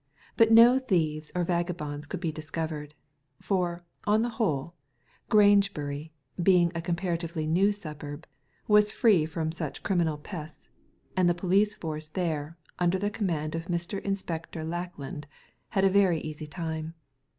But no thieves or vagabonds could be discovered ; for, on the whole, Grangebury, being a comparatively new suburb, was free from such criminal pests, and the police force there, under the command of Mr. Inspector Lackland had a very easy time.